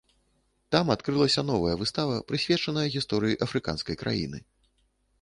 Там адкрылася новая выстава, прысвечаная гісторыі афрыканскай краіны.